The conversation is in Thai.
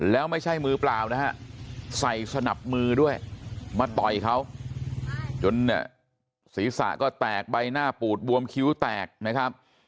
แล้วไม่ใช่มือเปล่านะฮะใส่สนับมือด้วยมาต่อยเขาจนเนี่ยศีรษะก็แตกใบหน้าปูดบวมคิ้วแตกนะครับ